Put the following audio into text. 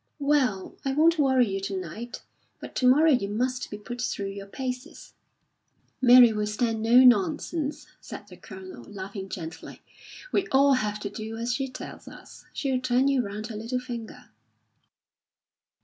"Well, I won't worry you to night; but to morrow you must be put through your paces." "Mary will stand no nonsense," said the Colonel, laughing gently. "We all have to do as she tells us. She'll turn you round her little finger."